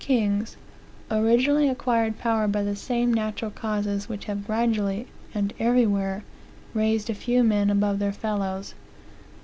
kings, originally acquired power by the same natural causes which have gradually, and everywhere, raised a few men above their fellows.